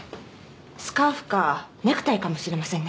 スカーフかネクタイかもしれませんね。